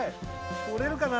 とれるかな？